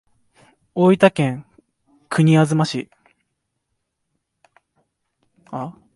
大分県国東市